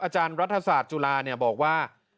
อาจารย์รัฐศาสตร์จุฬาบอกว่า